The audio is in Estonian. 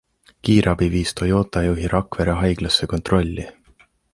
Kiirabi viis Toyota juhi Rakvere haiglasse kontrolli.